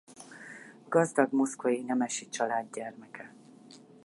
Gazdag moszkvai nemesi család gyermeke.